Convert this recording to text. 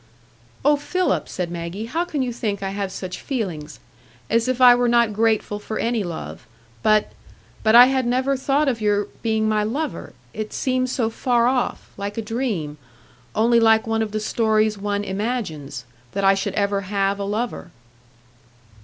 "Oh, Philip!" said Maggie, "how can you think I have such feelings? As if I were not grateful for any love. But—but I had never thought of your being my lover. It seemed so far off—like a dream—only like one of the stories one imagines—that I should ever have a lover."